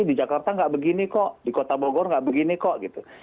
di jakarta nggak begini kok di kota bogor nggak begini kok gitu